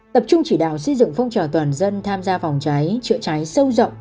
tập trung chỉ đạo xây dựng phong trào toàn dân tham gia phòng cháy chữa cháy sâu rộng